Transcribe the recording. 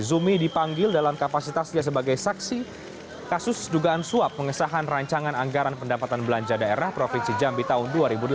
zumi dipanggil dalam kapasitasnya sebagai saksi kasus dugaan suap pengesahan rancangan anggaran pendapatan belanja daerah provinsi jambi tahun dua ribu delapan belas